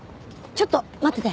ちょっと待ってて。